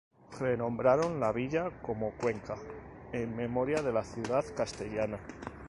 Renombraron la villa como "Cuenca", en memoria de la ciudad castellana.